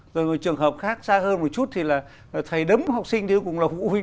rồi trường hợp khác xa hơn một chút thì là thầy đấm học sinh thì cũng là vũ huynh đến đó